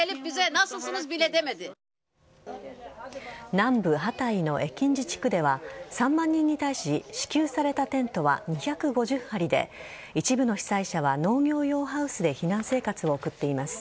南部・ハタイのエキンジ地区では３万人に対し支給されたテントは２５０張りで一部の被災者は農業用ハウスで避難生活を送っています。